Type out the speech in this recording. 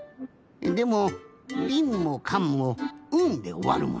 でもびんもかんも「ん」でおわるもんな。